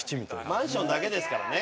マンションだけですからね